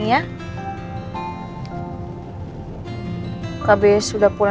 ya gue terserah pak